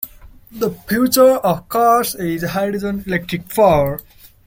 The future of cars is Hydrogen Electric power.